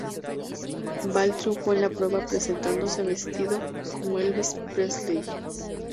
Val triunfó en la prueba presentándose vestido como Elvis Presley.